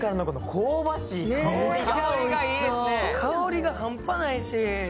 香りが半端ないし。